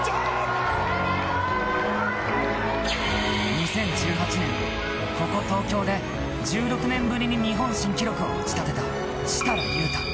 ２０１８年ここ東京で１６年ぶりに日本新記録を打ち立てた設楽悠太。